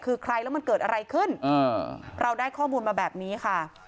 คือใครแล้วมันเกิดอะไรขึ้นเราได้ข้อมูลมาแบบนี้ค่ะ